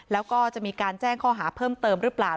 แล้วก็จะมีการแจ้งข้อหาเพิ่มเติมหรือเปล่า